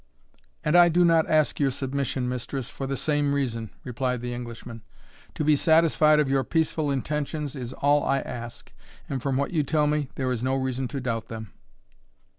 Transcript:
"And I do not ask your submission, mistress, for the same reason," replied the Englishman. "To be satisfied of your peaceful intentions is all I ask; and, from what you tell me, there is no reason to doubt them."